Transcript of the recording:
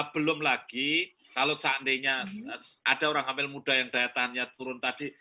belum lagi kalau seandainya ada orang hamil muda yang daya tahannya turun tadi